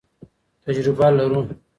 تجربه لرو.